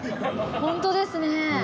本当ですね。